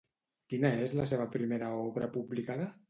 Quina és la seva primera obra publicada?